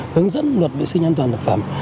hướng dẫn luật vệ sinh an toàn thực phẩm